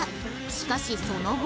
しかしその後